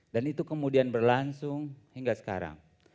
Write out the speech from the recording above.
dan itu kemudian berlansung hingga sekarang